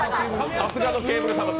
さすがのケーブルさばき！